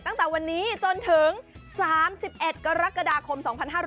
ตั้งแต่วันนี้จนถึง๓๑กรกฎาคม๒๕๖๐